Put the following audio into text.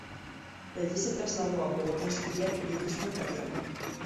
De allí se trasladó a Bogotá a estudiar periodismo radial.